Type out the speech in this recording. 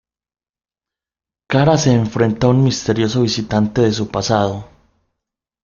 Cara se enfrenta a un misterioso visitante de su pasado.